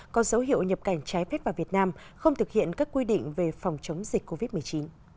có dấu hiệu nhập cảnh trái phép vào việt nam không thực hiện các quy định về phòng chống dịch covid một mươi chín